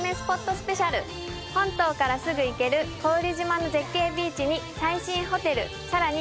スペシャル本島からすぐ行ける古宇利島の絶景ビーチに最新ホテルさらに